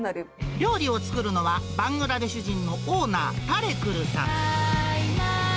料理を作るのは、バングラデシュ人のオーナー、タレクルさん。